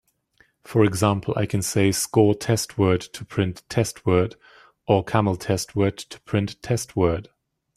For example, I can say "score test word" to print "test word", or "camel test word" to print "testWord".